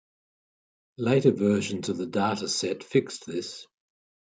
Later versions of the data set fixed this.